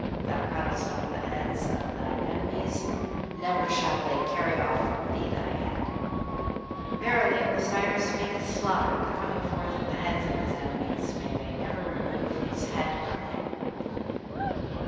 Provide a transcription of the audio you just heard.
Thou cuttest off the heads of thine enemies; never shall they carry off from thee thy head (?). Verily Osiris maketh slaughter at the coming forth of the heads of his enemies; may they never remove his head from him.